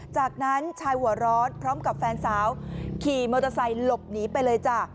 จากนั้นชายหัวร้อนพร้อมกับแฟนสาวขี่มอเตอร์ไซค์หลบหนีไปเลยจ้ะ